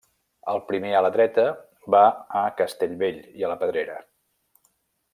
El primer a la dreta va a Castellvell i a la pedrera.